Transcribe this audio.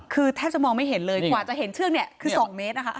คือแทบจะมองไม่เห็นเลยกว่าจะเห็นเชือกเนี่ยคือ๒เมตรนะคะ